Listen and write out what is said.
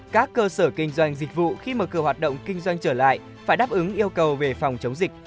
các cơ sở kinh doanh dịch vụ khi mở cửa hoạt động kinh doanh trở lại phải đáp ứng yêu cầu về phòng chống dịch